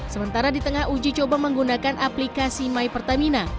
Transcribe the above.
sementara di tengah uji coba menggunakan aplikasi mypertamina